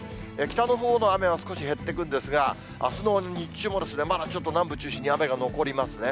北のほうの雨は少し減ってくるんですが、あすの日中もまだちょっと南部中心に雨が残りますね。